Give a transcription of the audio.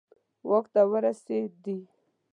واک ته ورسېدي.